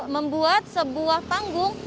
membuat sebuah panggung